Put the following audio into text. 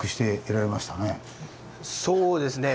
そうですね。